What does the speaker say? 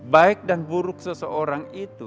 baik dan buruk seseorang itu